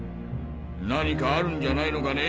何かあるんじゃないのかね？